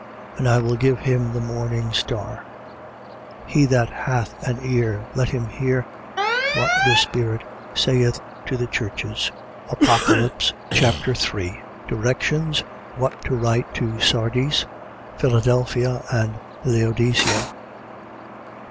And I will give him the morning star. 2:29. He that hath an ear, let him hear what the Spirit saith to the churches. Apocalypse Chapter 3 Directions what to write to Sardis, Philadelphia and Laodicea.